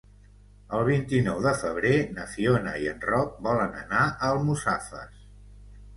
El vint-i-nou de febrer na Fiona i en Roc volen anar a Almussafes.